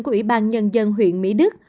của ủy ban nhân dân huyện mỹ đức